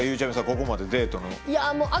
ここまでデートの。